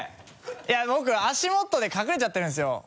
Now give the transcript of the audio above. いや僕足元で隠れちゃってるんですよ。